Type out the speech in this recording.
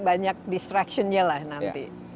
banyak distraction nya nanti